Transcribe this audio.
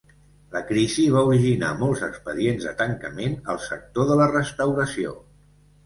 La crisi va originar molts expedients de tancament al sector de la restauració.